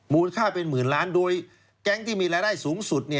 ค่าเป็นหมื่นล้านโดยแก๊งที่มีรายได้สูงสุด